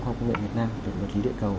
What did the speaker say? hoặc viện việt nam vật lý địa cầu